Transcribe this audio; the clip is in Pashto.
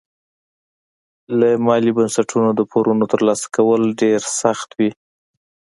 له مالي بنسټونو د پورونو ترلاسه کول ډېر سخت وي.